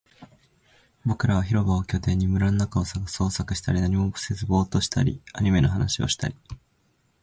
僕らは広場を拠点に、林の中を探索したり、何もせずボーっとしたり、アニメの話をしたり